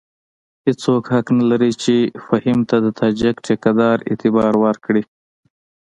هېڅوک حق نه لري چې فهیم ته د تاجک ټیکه دار اعتبار ورکړي.